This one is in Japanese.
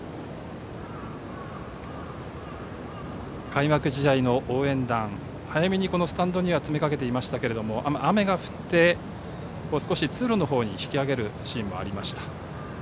開幕試合の応援団は早めにこのスタンドには詰め掛けていましたが雨が降って、通路のほうに引き上げるシーンもありました。